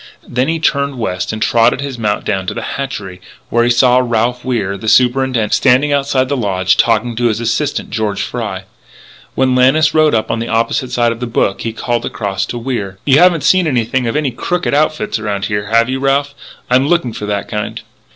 Then he turned west and trotted his mount down to the hatchery, where he saw Ralph Wier, the Superintendent, standing outside the lodge talking to his assistant, George Fry. When Lannis rode up on the opposite side of the brook, he called across to Wier: "You haven't seen anything of any crooked outfit around here, have you, Ralph? I'm looking for that kind."